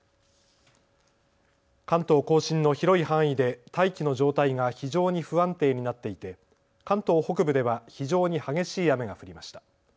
関東甲信の広い範囲で大気の状態が非常に不安定になっていて、関東北部では非常に激しい雨が降りました。